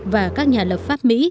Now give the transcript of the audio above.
và các nhà lập pháp mỹ